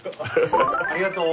ありがとう。